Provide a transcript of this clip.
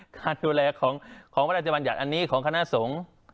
การดูแลของพระราชบัญญัติอันนี้ของคณะสงฆ์